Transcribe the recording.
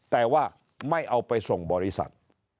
แต่ว่าไม่เอาไปส่งบริษัท